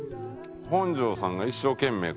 本条さんが一生懸命こう。